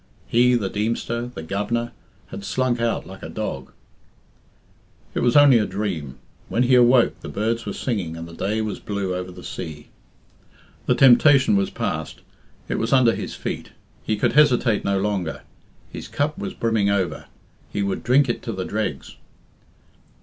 He, the Deemster, the Governor, had slunk out like a dog. It was only a dream. When he awoke, the birds were singing and the day was blue over the sea. The temptation was past; it was under his feet. He could hesitate no longer; his cup was brimming over; he would drink it to the dregs.